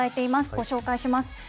ご紹介します。